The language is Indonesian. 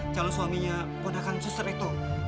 jalur suaminya punahkan suster itu